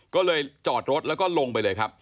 ก็เลยจอดรถแล้วก็ลงไปเลยครับ